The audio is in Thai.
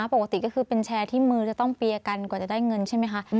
ปกติก็คือเป็นแชร์ที่มือจะต้องเปียกันกว่าจะได้เงินใช่ไหมคะ